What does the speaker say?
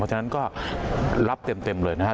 ฉะนั้นก็รับเต็มเลยนะครับ